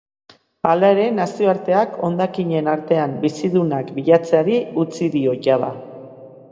Hala ere, nazioarteak hondakinen artean bizidunak bilatzeari utzi dio jada.